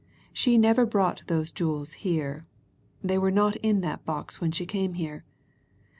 She never brought those jewels here. They were not in that box when she came here.